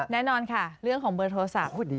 แน่นอนค่ะเรื่องของเบอร์โทรศัพท์